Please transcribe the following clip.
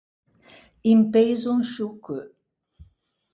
Un peiso in sciô cheu.